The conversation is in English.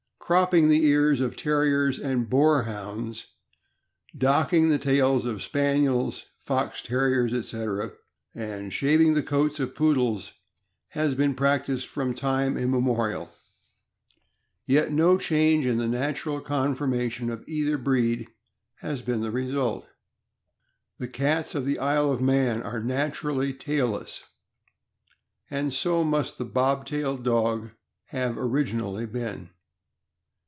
Cropping the ears of Terriers and Boarhounds, docking the tails of Spaniels, Fox Terriers, etc. , and shaving the coats of Poodles has been practiced from time immemorial, yet no change in the natural conformation of either breed has been the result. The cats of the Isle of Man are naturally tailless, and so must the bobtailed dog have originally been.